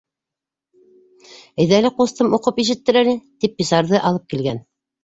— Әйҙә әле, ҡустым, уҡып ишеттер әле, — тип писарҙы алып килгән.